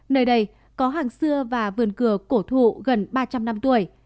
nơi đây có hàng xưa và vườn cửa cổ thụ gần ba trăm linh năm tuổi